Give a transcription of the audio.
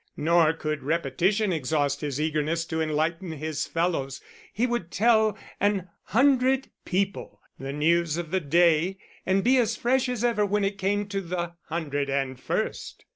Nor could repetition exhaust his eagerness to enlighten his fellows, he would tell an hundred people the news of the day and be as fresh as ever when it came to the hundred and first.